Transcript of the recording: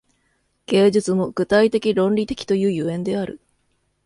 芸術も具体的論理的という所以である。